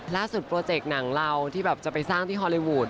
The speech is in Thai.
ล่าสุดโปรเจคหนังเราที่จะไปสร้างที่ฮอลลีวูธ